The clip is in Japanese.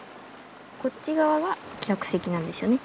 こっち側が客席なんですよね